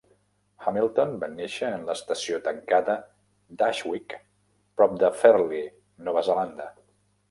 Hamilton va néixer en l'estació tancada d'Ashwick, prop de Fairlie, Nova Zelanda.